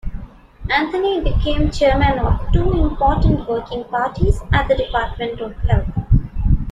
Anthony became chairman of two important working parties at the department of health.